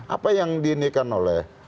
apa yang diindikan oleh